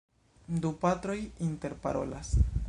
Du patroj interparolas.